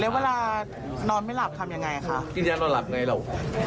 แล้วเวลานอนไม่หลับทำยังไงค่ะคืออยากนอนหลับไงหรอกอ๋อ